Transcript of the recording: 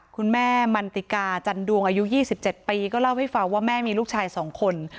คุณแม่มันติกาจันดวงอายุ๒๗ปีก็เล่าให้ฟังว่าแม่มีลูกชาย๒คน